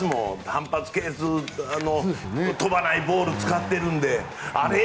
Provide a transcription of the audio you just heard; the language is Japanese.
反発係数飛ばないボール使ってるのであれ？